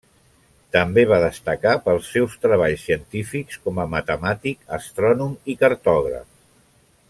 També va destacar pels seus treballs científics, com a matemàtic, astrònom i cartògraf.